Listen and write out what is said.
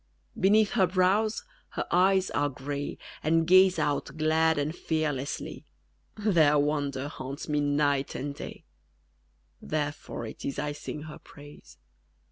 _ Beneath her brows her eyes are gray, And gaze out glad and fearlessly, Their wonder haunts me night and day: _Therefore it is I sing her praise.